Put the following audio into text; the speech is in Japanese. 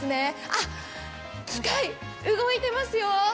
あっ、機械、動いてますよ。